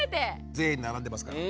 全員並んでますから。